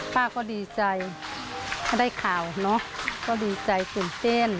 ป้าเขาดีใจได้ข่าวเนอะก็ดีใจสุดเต้น